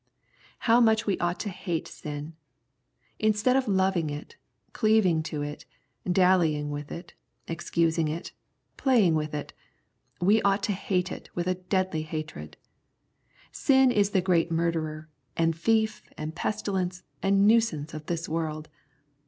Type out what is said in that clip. How much we ought to hate sin 1 Instead of loving it, cleaving to it, dallying with it, excusing it, playing with it, we ought to hate it with a deadly hatred. Sin is the great murderer, and thief, and pestilence, and nuisance of this world.